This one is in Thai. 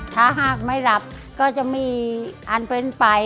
ถ้าหากไม่หลับก็จะมีอันเป็นไป